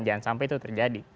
jangan sampai itu terjadi